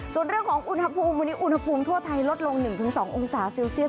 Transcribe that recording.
ส่วนเรื่องของอุณหภูมิวันนี้อุณหภูมิทั่วไทยลดลง๑๒องศาเซลเซียส